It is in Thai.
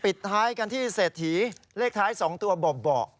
ปิดท้ายกันที่เศรษฐีเลขท้าย๒ตัวเบาะ